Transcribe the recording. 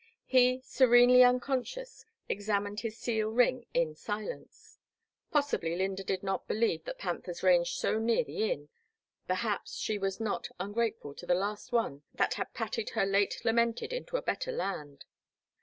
He, serenely unconscious, examined his seal ring in silence. Possibly Lynda did not believe that panthers ranged so near the Inn, perhaps she was not un grateful to the last one that had patted her late lamented into a better land.